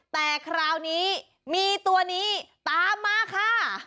แต่คราวนี้มีตัวนี้ตามมาค่ะ